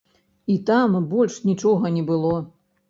І там больш нічога не было.